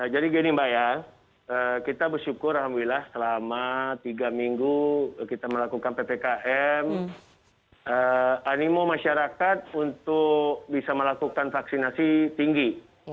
gini mbak ya kita bersyukur alhamdulillah selama tiga minggu kita melakukan ppkm animo masyarakat untuk bisa melakukan vaksinasi tinggi